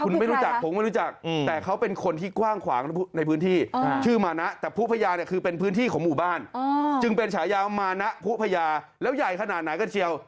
แล้วย่ายขนาดไหนก็เชียว